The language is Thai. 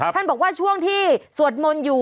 ท่านบอกว่าช่วงที่สวดมนต์อยู่